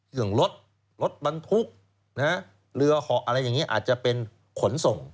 เรื่องรถรถบรรทุกเรือเหาะอะไรอย่างนี้อาจจะเป็นขนส่ง